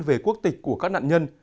về quốc tịch của các nạn nhân